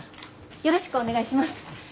よろしくお願いします。